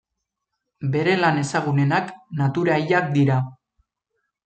Bere lan ezagunenak natura hilak dira.